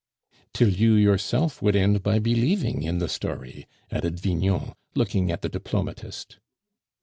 "Till you yourself would end by believing in the story," added Vignon, looking at the diplomatist.